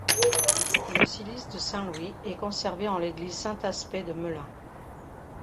Le cilice de Saint Louis est conservé en l'Église Saint-Aspais de Melun.